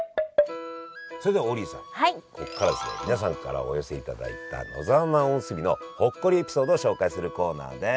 皆さんからお寄せいただいた野沢菜おむすびのほっこりエピソードを紹介するコーナーです。